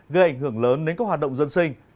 gây ảnh hưởng lớn đến các hoạt động dân sinh